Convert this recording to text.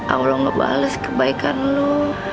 allah ngebales kebaikan lo